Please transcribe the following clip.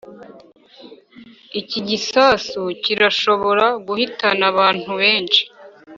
iki gisasu kirashobora guhitana abantu benshi.